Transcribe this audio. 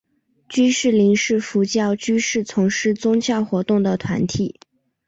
居士林是佛教居士从事宗教活动的团体。